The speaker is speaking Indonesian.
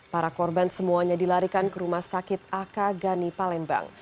para korban semuanya dilarikan ke rumah sakit aka gani palembang